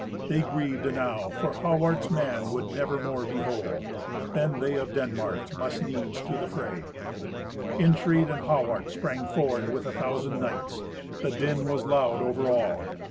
They grieved enow; for Hawart's man would nevermore be whole. Then they of Denmark must needs to the fray. Irnfried and Hawart sprang forward with a thousand knights. The din was loud over all.